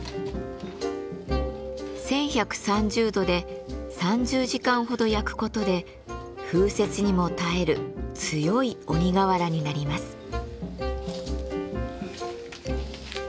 １，１３０度で３０時間ほど焼く事で風雪にも耐える強い鬼瓦になります。